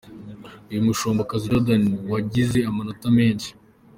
Uyu ni Mushombokazi Jordan, wagize amanota menshi.